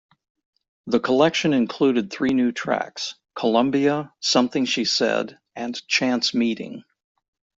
The collection included three new tracks, "Columbia", "Something She Said", and "Chance Meeting".